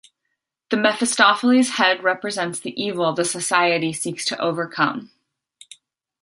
The Mephistopheles head represents the evil the society seeks to overcome.